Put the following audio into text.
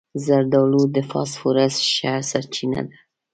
زردالو د فاسفورس ښه سرچینه ده.